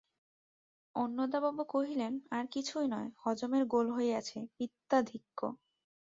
অন্নদাবাবু কহিলেন, আর কিছুই নয়, হজমের গোল হইয়াছে–পিত্তাধিক্য।